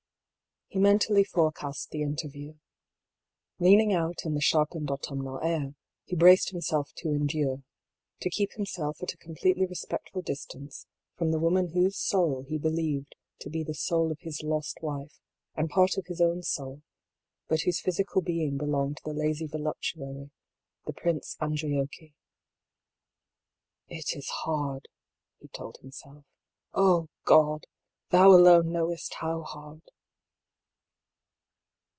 He mentally forecast the interview. Leaning out in the sharpened autumnal air, he braced himself to endure : to keep himself at a completely respectful dis tance from the woman whose soul he believed to be the soul of his lost wife, and part of his own soul, but whose physical being belonged to the lazy voluptuary, the Prince Andriocchi. " It is hard," he told himself. " Oh, God ! Thou alone knowest how hard